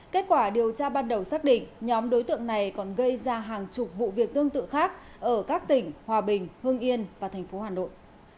kết quả điều tra ban đầu xác định nhóm đối tượng này còn gây ra hàng chục vụ việc tương tự khác ở các tỉnh hòa bình hương yên và tp hà nội